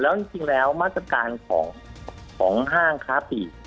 แล้วจริงแล้วมาตรการของห้างค้าปีก